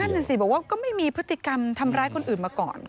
นั่นน่ะสิบอกว่าก็ไม่มีพฤติกรรมทำร้ายคนอื่นมาก่อน